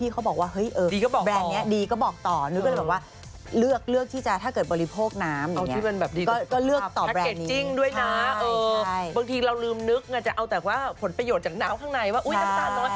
ก็เลือกต่อแบบนี้ใช่บางทีเรารึมนึกเอาแต่ว่าผลประโยชน์จากน้ำข้างในว่าอุ๊ยสะตาล